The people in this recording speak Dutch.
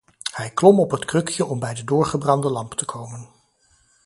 Hij klom op het krukje om bij de doorgebrande lamp te komen.